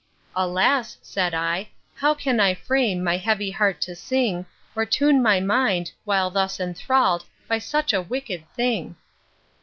Alas! said I, how can I frame My heavy heart to sing, Or tune my mind, while thus enthrall'd By such a wicked thing!